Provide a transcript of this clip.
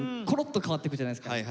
ころっと変わっていくじゃないですか。